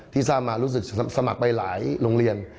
ที่ทราบมารู้สึกสมัครไปหลายโรงเรียน